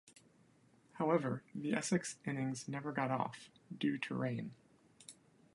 However, the Essex innings never got off, due to rain.